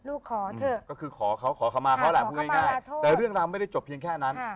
ขอเถอะก็คือขอเขาขอคำมาเขาแหละพูดง่ายแต่เรื่องราวไม่ได้จบเพียงแค่นั้น